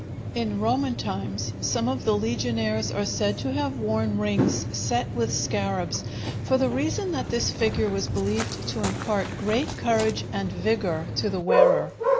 In Roman times some of the legionaries are said to have worn rings set with scarabs, for the reason that this figure was believed to impart great courage and vigor to the wearer.